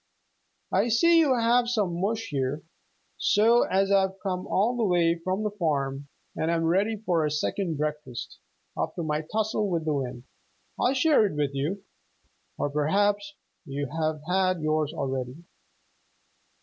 "I see you have some mush here, so as I've come all the way from the farm and am ready for a second breakfast after my tussle with the wind, I'll share it with you. Or perhaps you have had yours already."